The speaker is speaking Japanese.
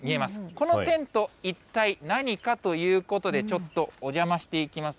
このテント、一体何かということでちょっとお邪魔していきます。